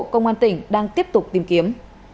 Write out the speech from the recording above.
công an tỉnh đang tiếp tục tìm kiếm